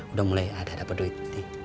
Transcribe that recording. udah mulai ada dapat duit